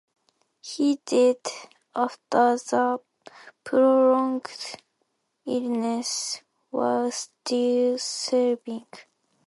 He died after a prolonged illness while still serving.